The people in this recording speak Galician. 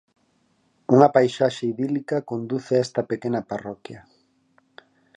Unha paisaxe idílica conduce a esta pequena parroquia.